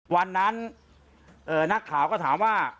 วันนั้นนักข่าวก็ถามว่า